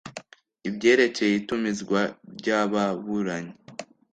ibyerekeye itumizwa ry ababuranyi